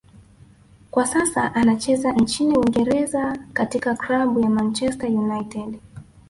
kwa sasa anacheza nchini Uingereza katika klabu ya Manchester United